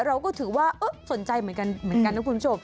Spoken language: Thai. เราก็ถือว่าสนใจเหมือนกันนะคุณผู้ชม